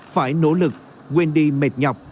phải nỗ lực quên đi mệt nhọc